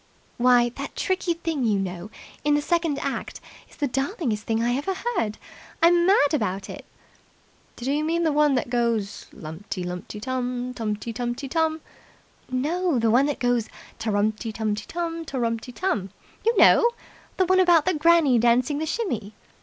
"Why, that tricky thing you know, in the second act is the darlingest thing I ever heard. I'm mad about it." "Do you mean the one that goes lumty lumty tum, tumty tumty tum?" "No the one that goes ta rumty tum tum, ta rumty tum. You know! The one about Granny dancing the shimmy."